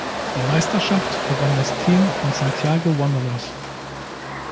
Die Meisterschaft gewann das Team von Santiago Wanderers.